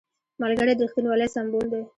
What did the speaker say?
ملګری د رښتینولۍ سمبول دی